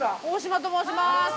大島と申します。